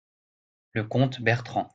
le comte Bertrand.